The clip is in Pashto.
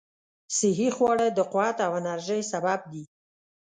صحي خواړه د قوت او انرژۍ سبب دي.